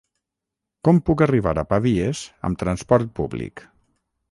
Com puc arribar a Pavies amb transport públic?